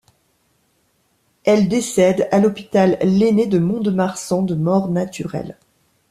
Elle décède à l'hôpital Layné de Mont-de-Marsan de mort naturelle.